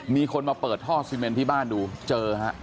มีคนมาเปิดท่อซีเมนที่บ้านดูเจอฮะ